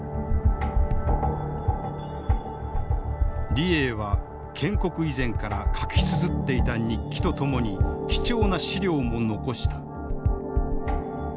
李鋭は建国以前から書きつづっていた日記とともに貴重な史料も残した。